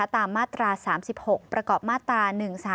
ตามมาตรา๓๖ประกอบมาตรา๑๓